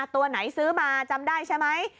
ตัวไหนซื้อมาจำได้ใช่ไหม